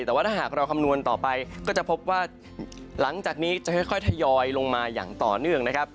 แต่ว่าถ้าหากเราคำนวณต่อไปก็จะพบว่าหลังจากนี้จะค่อยทยอยลงมาอย่างต่อเนื่องนะครับ